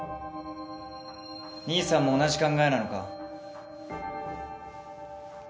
兄さんも同じ考えなのか？